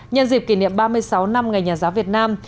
nhân dịp kỷ niệm ba mươi sáu năm ngày nhà giáo việt nam